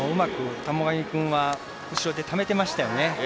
田母神君は後ろでためていましたよね。